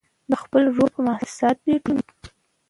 د خپل روح پر محسوساتو یې ټومبه